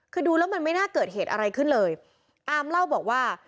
คือดูแล้วมันไม่น่าเกิดเหตุอะไรขึ้นเลยอามเล่าบอกว่า